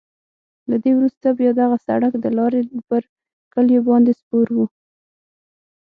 له دې وروسته بیا دغه سړک د لارې پر کلیو باندې سپور وو.